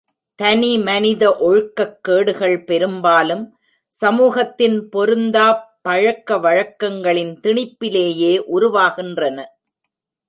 தனி மனித ஒழுக்கக் கேடுகள் பெரும்பாலும் சமூகத்தின் பொருந்தாப் பழக்க வழக்கங்களின் திணிப்பிலேயே உருவாகின்றன.